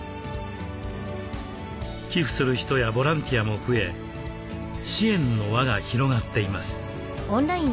寄付する人やボランティアも増え支援の輪が広がっています。